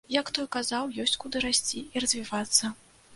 Як той казаў, ёсць куды расці і развівацца.